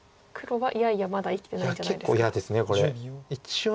はい。